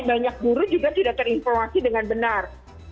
banyak guru juga tidak terinformasi dengan benar